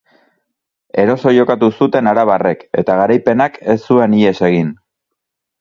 Eroso jokatu zuten arabarrek eta garaipenak ez zuen ihes egin.